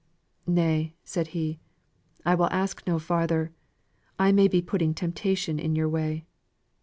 "Nay" said he, "I will ask no farther. I may be putting temptation in your way.